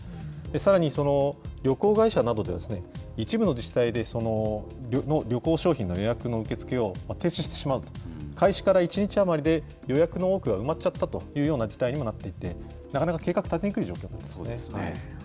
さらに旅行会社などでは、一部の自治体で旅行商品の予約の受け付けを停止してしまうと、開始から１日余りで予約の多くが埋まっちゃったという事態にもなっていて、なかなか計画立てにくい状況ですね。